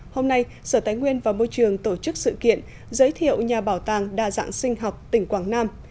hôm nay sở tài nguyên và môi trường tổ chức sự kiện giới thiệu nhà bảo tàng đa dạng sinh học tỉnh quảng nam